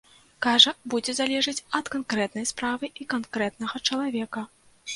Кажа, будзе залежаць ад канкрэтнай справы і канкрэтнага чалавека.